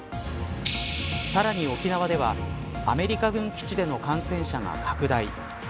さらに沖縄ではアメリカ軍基地での感染者が拡大。